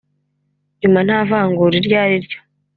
nyuma nta vangura iryo ariryo